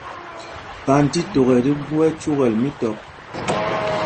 Panjtítok ɛ tí gú ɛcúkɛl mítɔp.